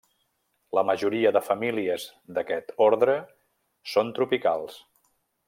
La majoria de famílies d'aquest ordre són tropicals.